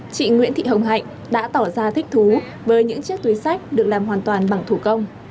chị nguyễn thị hồng hạnh đã tỏ ra thích thú với những chiếc túi sách được làm hoàn toàn bằng thủ công